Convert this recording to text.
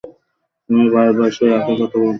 তুমি বারবার সেই একই কথা বলছো কেন?